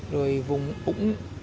rồi vùng ủng